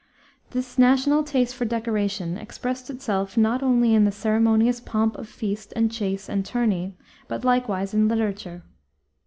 This national taste for decoration expressed itself not only in the ceremonious pomp of feast and chase and tourney, but likewise in literature.